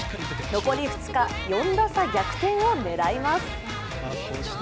残り２日、４打差逆転を狙います。